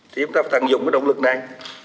thì chúng ta phải tận dụng cái động lực này